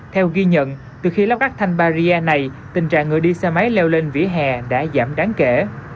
theo ghi nhận từ khi lắp rát thanh barrier này tình trạng người đi xe máy leo lên vỉa hè đã giảm đáng kể